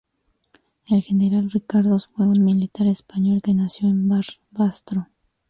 El General Ricardos fue un militar español que nació en Barbastro.